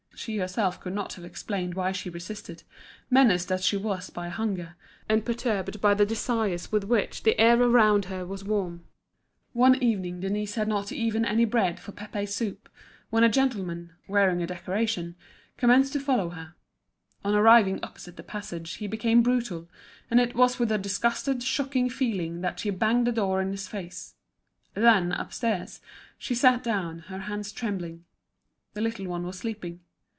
She herself could not have explained why she resisted, menaced as she was by hunger, and perturbed by the desires with which the air around her was warm. One evening Denise had not even any bread for Pépé's soup, when a gentleman, wearing a decoration, commenced to follow her. On arriving opposite the passage he became brutal, and it was with a disgusted, shocked feeling that she banged the door in his face. Then, upstairs, she sat down, her hands trembling. The little one was sleeping.